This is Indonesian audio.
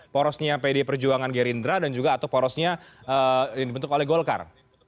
porosnya pd perjuangan gerindra dan juga atau porosnya yang dibentuk oleh golkar